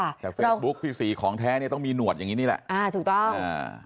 แต่เฟซบุ๊คพี่ศรีของแท้เนี้ยต้องมีหวดอย่างงี้นี่แหละอ่าถูกต้องอ่า